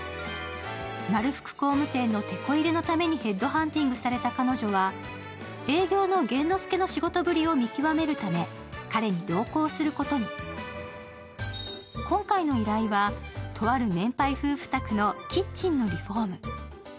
まるふく工務店のてこ入れのためにヘッドハンティングされた彼女は営業の玄之介の仕事ぶりを見極めるため、彼に同行することに今回の依頼は、とある年配夫婦宅のキッチンのリフォーム。